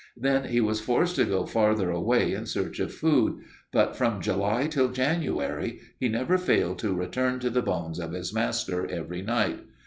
Then he was forced to go farther away in search of food, but from July till January he never failed to return to the bones of his master every night.